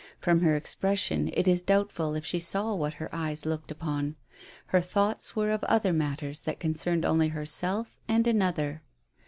From her expression it is doubtful if she saw what her eyes looked upon. Her thoughts were of other matters that concerned only herself and another.